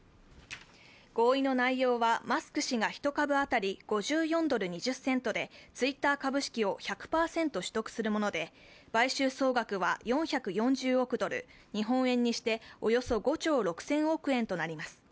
合意の内容はマスク氏が１株当たり５４ドル２０セントでツイッター株式を１００％取得するもので買収総額は４４０億ドル、日本円にしておよそ５兆６０００億円となります。